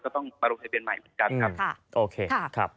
ต้องมาลงทะเบียนใหม่เหมือนกันครับโอเค